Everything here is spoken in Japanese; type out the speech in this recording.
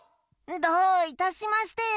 どういたしまして。